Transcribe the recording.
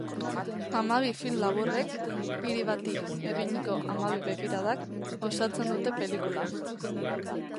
Hamabi film laburrek, hiri bati eginiko hamabi begiradak, osatzen dute pelikula.